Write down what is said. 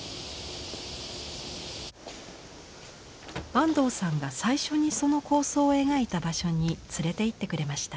安藤さんが最初にその構想を描いた場所に連れて行ってくれました。